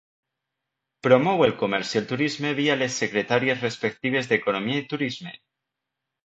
Promou el comerç i el turisme via les secretaries respectives d'economia i turisme.